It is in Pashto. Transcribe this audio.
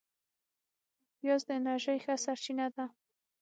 پیاز د انرژۍ ښه سرچینه ده